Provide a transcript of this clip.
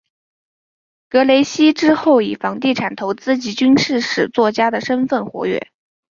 格雷西之后以房地产投资及军事史作家的身分活跃。